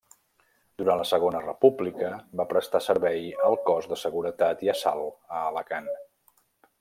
Durant la Segona República va prestar servei al Cos de Seguretat i Assalt a Alacant.